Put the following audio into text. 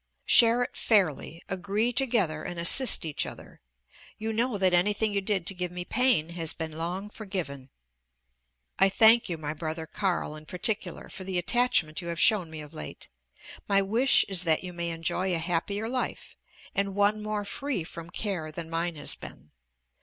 Share it fairly, agree together and assist each other. You know that anything you did to give me pain has been long forgiven. I thank you, my brother Carl in particular, for the attachment you have shown me of late. My wish is that you may enjoy a happier life, and one more free from care than mine has been.